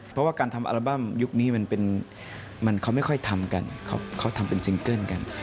เพราะว่าการทำอัลบั้มยุคนี้มันเขาไม่ค่อยทำกันเขาทำเป็นซิงเกิ้ลกัน